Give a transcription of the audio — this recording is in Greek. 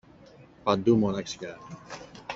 Παντού μοναξιά.